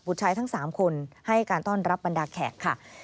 ชายทั้ง๓คนให้การต้อนรับบรรดาแขกค่ะ